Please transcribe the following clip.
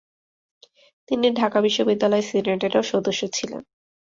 তিনি ঢাকা বিশ্ববিদ্যালয় সিনেটেরও সদস্য ছিলেন।